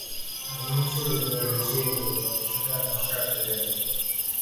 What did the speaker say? আমি শুধু বলেছি-এই পরিবারের সঙ্গে আপনার স্বার্থজড়িত।